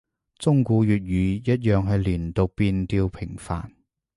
中古粵語一樣係連讀變調頻繁